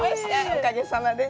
おかげさまで。